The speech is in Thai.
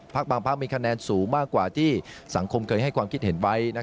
บางพักมีคะแนนสูงมากกว่าที่สังคมเคยให้ความคิดเห็นไว้